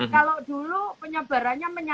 kalau dulu penyebarannya menyebar